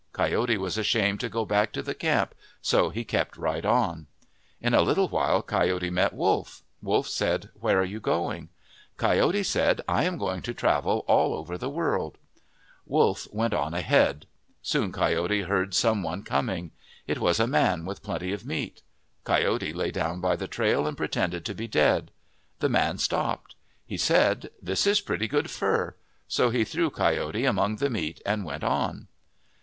Coyote was ashamed to go back to the camp so he kept right on. In a little while Coyote met Wolf. Wolf said, " Where are you going ?' Coyote said, " I am going to travel all over the world." 120 OF THE PACIFIC NORTHWEST Wolf went on ahead. Soon Coyote heard some one coming. It was a man with plenty of meat. Coyote lay down by the trail and pretended to be dead. The man stopped. He said, " This is pretty good fur." So he threw Coyote among the meat and went on.